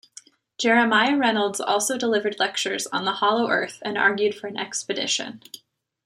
Jeremiah Reynolds also delivered lectures on the "Hollow Earth" and argued for an expedition.